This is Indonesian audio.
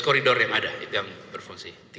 tiga belas koridor yang ada itu yang berfungsi